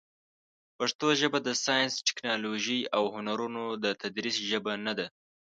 پښتو ژبه د ساینس، ټکنالوژۍ، او هنرونو د تدریس ژبه نه ده.